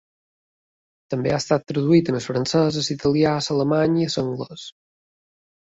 També ha estat traduït al francès, a l'italià, a l'alemany i a l'anglès.